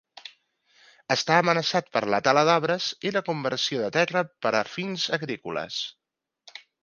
Està amenaçat per la tala d'arbres i la conversió de terra per a fins agrícoles.